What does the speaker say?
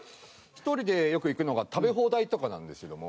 １人でよく行くのが食べ放題とかなんですけども。